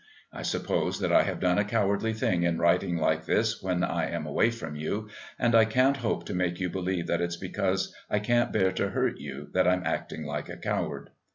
I suppose that I have done a cowardly thing in writing like this when I am away from you, and I can't hope to make you believe that it's because I can't bear to hurt you that I'm acting like a coward.